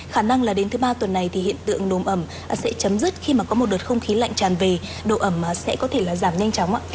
khả năng là đến thứ ba tuần này thì hiện tượng nồm ẩm sẽ chấm dứt khi mà có một đợt không khí lạnh tràn về độ ẩm sẽ có thể là giảm nhanh chóng ạ